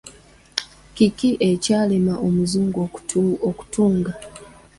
Kiki ekyalema omuzungu okutunga?